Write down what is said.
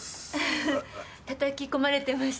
ふふったたき込まれてました。